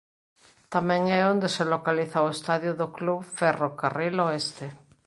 Tamén é onde se localiza o estadio do Club Ferro Carril Oeste.